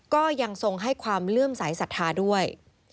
ก็ยังทรงให้ความเลื่อมสายศรัทธาด้วย